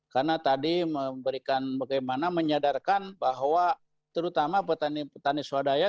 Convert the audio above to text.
karena tadi memberikan bagaimana menyadarkan bahwa terutama petani petani swadaya